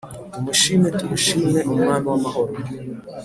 Tumushime tumushime umwami w’amahoro